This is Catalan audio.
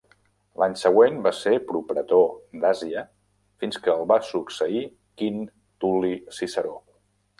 L'any següent va ser propretor d'Àsia fins que el va succeir Quint Tul·li Ciceró.